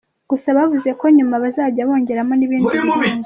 Gusa bavuze ko nyuma bazajya bongeramo n’ibindi bihingwa.